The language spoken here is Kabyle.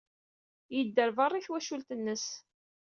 Yedder beṛṛa i twacult-nnes.